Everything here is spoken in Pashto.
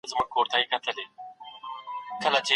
په سالمه کورنۍ کي وخت نه ضایع کېږي.